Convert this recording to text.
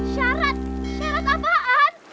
syarat syarat apaan